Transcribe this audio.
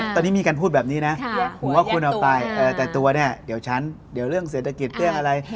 ตอนนี้มีการพูดแบบนี้นะแต่ตัวเนี่ยเดี๋ยวเรื่องศัษฎกิจเรื่องอะไร